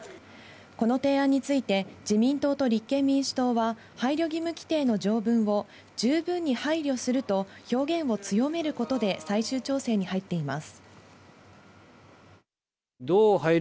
この提案について自民党と立憲民主党は、配慮義務規定の条文を十分に配慮すると表現を強めることで最終調整に入っています。